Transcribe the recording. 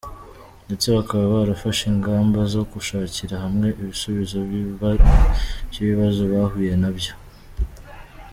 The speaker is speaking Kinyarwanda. Ndetse bakaba barafashe ingamba zo gushakira hamwe ibisubizo by’ibibazo bahuye na byo.